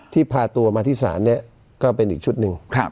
พาตัวมาที่ศาลเนี่ยก็เป็นอีกชุดหนึ่ง